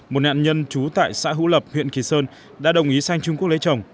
một nạn nhân trú tại xã hữu lập huyện kỳ sơn đã đồng ý sang trung quốc lấy chồng